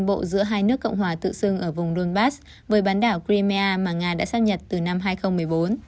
nga sẽ giúp nga tiến bộ giữa hai nước cộng hòa tự xưng ở vùng donbass với bán đảo crimea mà nga đã xác nhật từ năm hai nghìn một mươi bốn